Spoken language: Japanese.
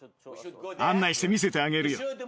案内して見せてあげるよ。